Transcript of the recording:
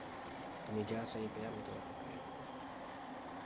তুমি যা চাইবে আমি তোমাকে তাই দিব।